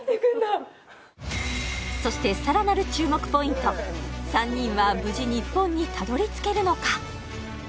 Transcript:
そしてさらなる注目ポイント３人は無事日本にたどり着けるのか？